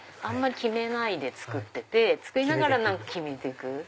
あんまり決めないで作ってて作りながら決めてく。